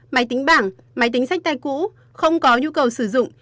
máy tính bảng máy tính sách tay cũ không có nhu cầu sử dụng